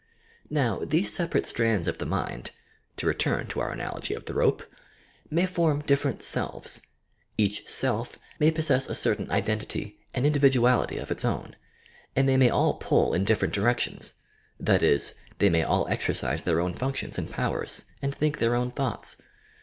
Now, these separate strands of the mind (to return to our analogy of the rope) may form different "selves." Each self may possess a certain identity and individ uality of its own, and they may all pull in different direc tions,— that is, they may all exercise their own functions and powers, and think their own thoughts.